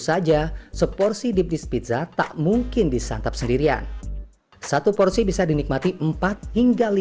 saja seporsi dip dis pizza tak mungkin disantap sendirian satu porsi bisa dinikmati empat hingga lima